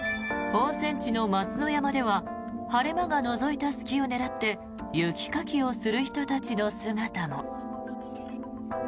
温泉地の松之山では晴れ間がのぞいた隙を狙って雪かきをする人たちの姿も。